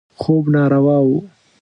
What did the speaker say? خوب ناروا و.